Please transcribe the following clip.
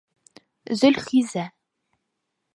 Зөлхизә...